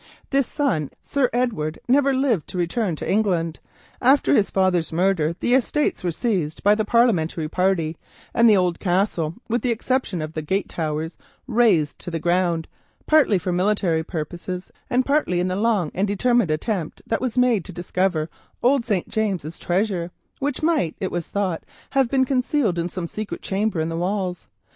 This son, Sir Edward, never lived to return to England. After his father's murder, the estates were seized by the Parliamentary party, and the old Castle, with the exception of the gate towers, razed to the ground, partly for military purposes and partly in the long and determined attempt that was made to discover old Sir James's treasure, which might, it was thought, have been concealed in some secret chamber in the walls.